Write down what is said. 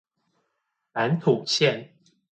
板土線